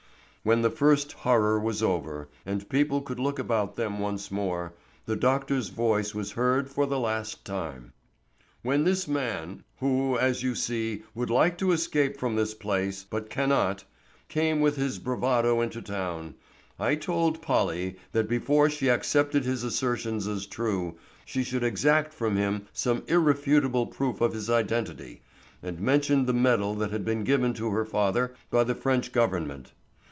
When the first horror was over and people could look about them once more, the doctor's voice was heard for the last time. "When this man—who, as you see, would like to escape from this place, but cannot—came with his bravado into town, I told Polly that before she accepted his assertions as true, she should exact from him some irrefutable proof of his identity, and mentioned the medal that had been given to her father by the French government.